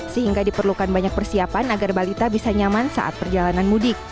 sehingga diperlukan banyak persiapan agar balita bisa nyaman saat perjalanan mudik